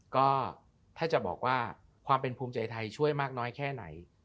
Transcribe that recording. ก็ถ้าจะบอกว่าความเป็นภูมิใจไทยช่วยมากน้อยแค่ไหน